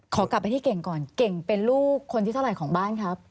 ขอกลับไปที่เก่งก่อนเก่งเป็นลูกคนที่เท่าไหร่ของบ้านครับ